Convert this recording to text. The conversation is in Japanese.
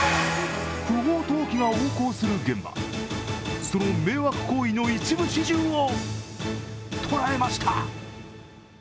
不法投棄が横行する現場その迷惑行為の一部始終を捉えました。